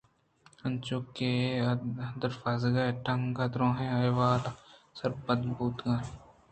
انچوش کہ آدروازگ ءِ ٹنگ ءَدُرٛاہیں احوالاں سرپد بوتگ اَت